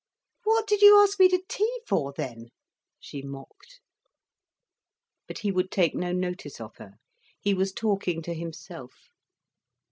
"What did you ask me to tea for, then?" she mocked. But he would take no notice of her. He was talking to himself.